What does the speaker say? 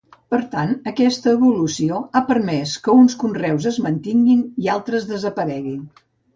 Per tant aquesta evolució ha permès que uns conreus es mantinguin i altres desapareguin.